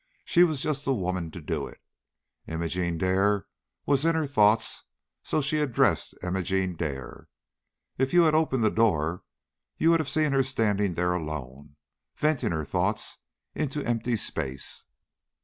She was just the woman to do it. Imogene Dare was in her thoughts, so she addressed Imogene Dare. If you had opened the door you would have seen her standing there alone, venting her thoughts into empty space."